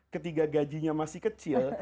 ketika gajinya masih kecil